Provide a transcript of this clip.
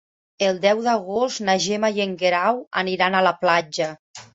El deu d'agost na Gemma i en Guerau aniran a la platja.